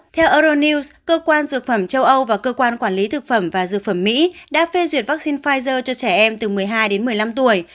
theo euronews cơ quan dược phẩm châu âu và cơ quan quản lý thực phẩm và dược phẩm mỹ đã phê duyệt vaccine pfizer cho trẻ em từ một mươi hai đến một mươi năm tuổi